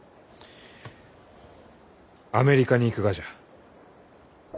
アメリカに行くがじゃ。